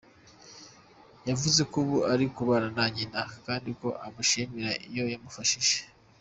Yavuze ko ubu ari kubana na nyina, kandi ko amushimira uko yamufashije.